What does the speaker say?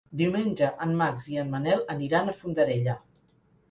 Diumenge en Max i en Manel aniran a Fondarella.